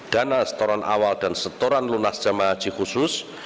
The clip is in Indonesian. dana setoran awal dan setoran lunas jemaah haji khusus